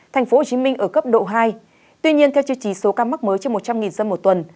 tp hcm ở cấp độ hai tuy nhiên theo chương trình số ca mắc mới trên một trăm linh dân một tuần